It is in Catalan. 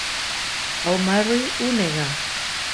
Al-Marri ho nega.